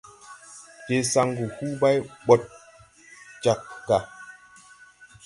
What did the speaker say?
Je saŋgu hu bay ɓay ɓɔd jag gà.